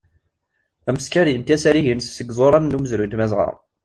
Ameskar yenti asarig-ines seg iẓuran n umezruy n tmazɣa.